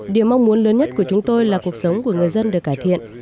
điều mong muốn lớn nhất của chúng tôi là cuộc sống của người dân được cải thiện